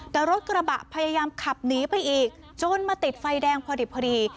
แต่รถกระบะพยายามขับหนีไปอีกจนมาติดไฟแดงพอดี